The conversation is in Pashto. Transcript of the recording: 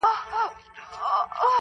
بېګا خوب وینمه تاج پر سر پاچا یم,